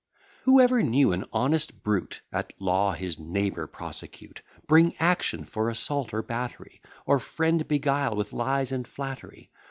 _ Whoever knew an honest brute At law his neighbour prosecute, Bring action for assault or battery, Or friend beguile with lies and flattery?